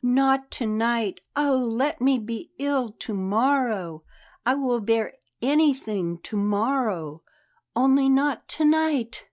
"Not to night! Oh, let me be ill to morrow! I will bear anything to morrow only not to night!"